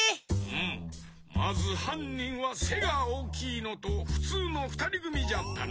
まずはんにんはせがおおきいのとふつうのふたりぐみじゃったな？